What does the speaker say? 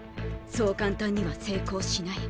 そう簡単には成功しない。